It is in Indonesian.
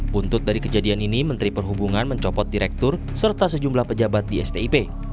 buntut dari kejadian ini menteri perhubungan mencopot direktur serta sejumlah pejabat di stip